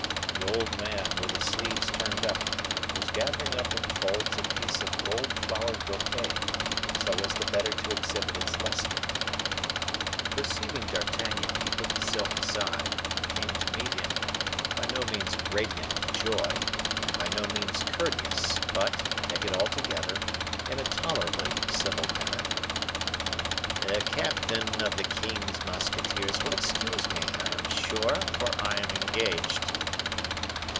The old man, with his sleeves turned up, was gathering up in folds a piece of gold flowered brocade, so as the better to exhibit its luster. Perceiving D'Artagnan, he put the silk aside, and came to meet him, by no means radiant with joy, and by no means courteous, but, take it altogether, in a tolerably civil manner. "The captain of the king's musketeers will excuse me, I am sure, for I am engaged."